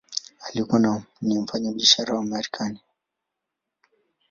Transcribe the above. Alikuwa ni mfanyabiashara wa Marekani.